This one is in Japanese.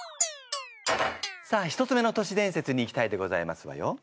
さあ１つ目の年伝説にいきたいでございますわよ。